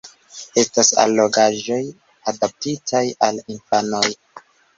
Estas allogaĵoj adaptitaj al infanoj.